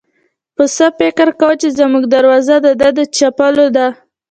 پسه فکر کاوه چې زموږ دروازه د ده د چپلو ده.